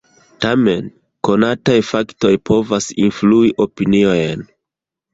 Tamen, konataj faktoj povas influi opiniojn.